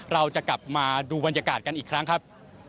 เราจะกลับมาดูบรรยากาศกันอีกครั้งครับ